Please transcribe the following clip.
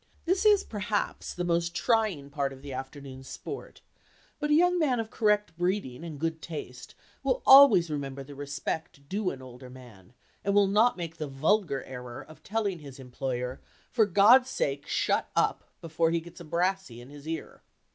This is perhaps the most trying part of the afternoon's sport, but a young man of correct breeding and good taste will always remember the respect due an older man, and will not make the vulgar error of telling his employer for God's sake shut up before he gets a brassie in his———— ear.